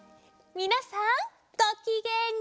みなさんごきげんよう！